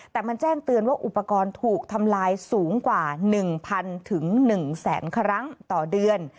แต่มันแจ้งเตือนว่าอุปกรณ์ถูกทำลายสูงกว่า๑๐๐๑แสนครั้งต่อเดือน